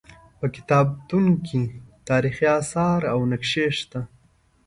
په کتابتون کې تاریخي اثار او نقشې شته.